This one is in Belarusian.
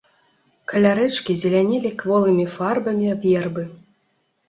Каля рэчкі зелянелі кволымі фарбамі вербы.